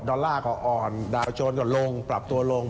อลลาร์ก็อ่อนดาวโจรก็ลงปรับตัวลง